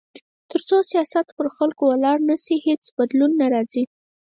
تر څو سیاست پر خلکو ولاړ نه شي، هیڅ بدلون نه راځي.